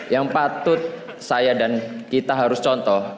yang patut saya dan kita harus contoh